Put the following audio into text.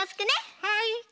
はい。